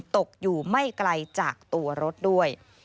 ตกอยู่ไม่ไกลจากตัวรถด้วย